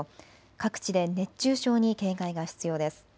各地で熱中症に警戒が必要です。